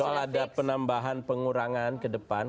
soal ada penambahan pengurangan ke depan